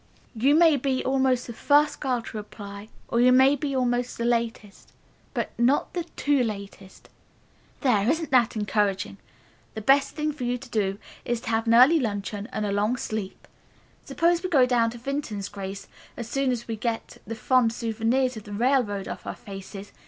You may be almost the first girl to apply, or you may be among the latest, but not the too latest. There, isn't that encouraging? The best thing for you to do is to have an early luncheon and a long sleep. Suppose we go down to Vinton's, Grace, as soon as we get the fond souvenirs of the railroad off our faces.